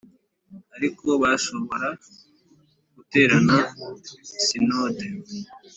Ariko hashobora guterana Sinode